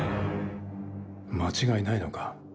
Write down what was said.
間違いないのか？